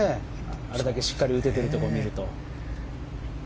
あれだけしっかり打てているところ見ると。